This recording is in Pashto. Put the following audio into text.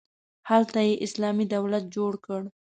هلته یې اسلامي دولت جوړ کړ.